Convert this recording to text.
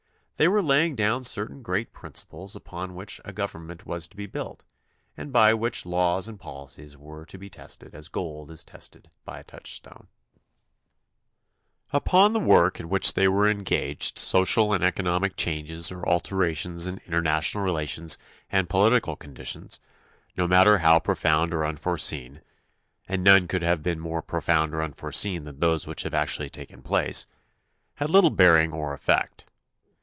They were laying down certain great principles upon which a government was to be built and by which laws and policies were to be tested as gold is tested by a touch stone. 46 THE CONSTITUTION AND ITS MAKERS Upon the work in which they were engaged social and economic changes or alterations in international relations and political conditions, no matter how pro found or unforeseen — and none could have been more profound or more imforeseen than those which have actually taken place — had little bearing or effect.